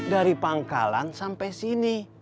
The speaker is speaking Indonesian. dari pangkalan sampai sini